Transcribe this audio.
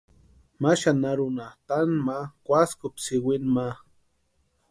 Ma xanharunha taani ma kwaskuspti sïwinu ma.